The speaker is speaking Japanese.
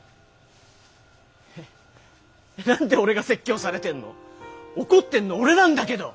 え何で俺が説教されてんの？怒ってんの俺なんだけど！